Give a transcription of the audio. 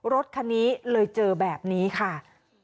รถคันนี้เลยเจอแบบนี้ค่ะ